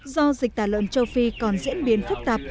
do dịch tả lợn châu phi còn diễn biến phức tạp